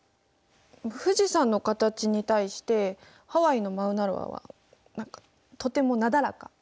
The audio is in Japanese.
富士山の形に対してハワイのマウナロアは何かとてもなだらか。